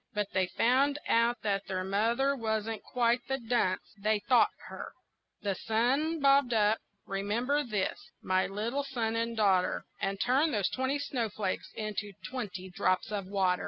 But they found out that their mother wasn't quite the dunce they thought her, The sun bobbed up remember this, my little son and daughter And turned those twenty snowflakes into twenty drops of water.